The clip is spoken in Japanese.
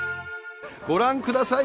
ご覧ください。